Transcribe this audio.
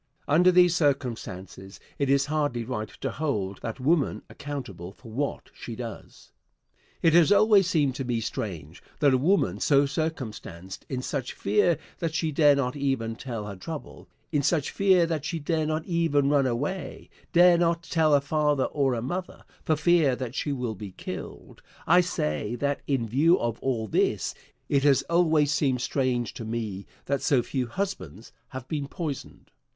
Under these circumstances, it is hardly right to hold that woman accountable for what she does. It has always seemed to me strange that a woman so circumstanced in such fear that she dare not even tell her trouble in such fear that she dare not even run away dare not tell a father or a mother, for fear that she will be killed I say, that in view of all this, it has always seemed strange to me that so few husbands have been poisoned.